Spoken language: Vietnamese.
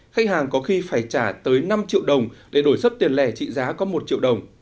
khách hàng có khi phải trả tới năm triệu đồng để đổi sấp tiền lẻ trị giá có một triệu đồng